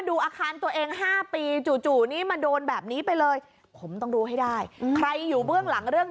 ตึกเราเองถนนเขาเป็นของเราเอง